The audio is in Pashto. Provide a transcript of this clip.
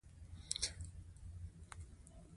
نو د دې تګ دی نا ممکن تر حده ګران دی